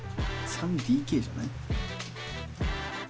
３ＤＫじゃない？